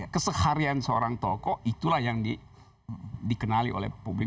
keseharian seorang tokoh itulah yang dikenali oleh publik